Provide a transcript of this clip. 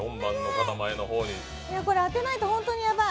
これ、当てないと本当にヤバい。